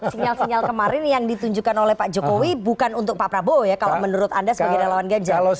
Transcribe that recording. sinyal sinyal kemarin yang ditunjukkan oleh pak jokowi bukan untuk pak prabowo ya kalau menurut anda sebagai relawan ganjar